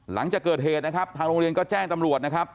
หลังจากเกิดเหตุนะครับทางโรงเรียนก็แจ้งตำรวจนะครับ